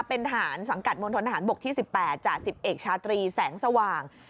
เป็นฐานสังกัดมนตรฐานบกที่๑๘จาก๑๐เอกชาตรีแสงสว่าง